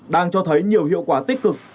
đang cho thấy nhiều hiệu quả tích cực